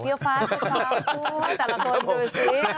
พี่ฟ้าขอบคุณแต่ละคนดูซิ